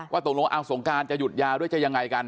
ว่าตรงลงอังสงครานจะหยุดยาด้วยจะยังไงกัน